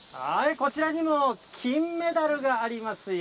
こちらにも金メダルがありますよ。